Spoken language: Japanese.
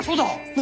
何？